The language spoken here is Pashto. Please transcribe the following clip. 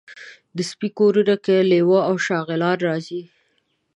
د سپي کورنۍ کې لېوه او شغالان راځي.